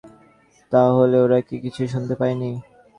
তাহলে ওরা কি কিছুই শুনতে পায়নি?